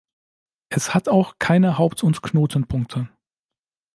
Es hat auch keine Haupt- und Knotenpunkte.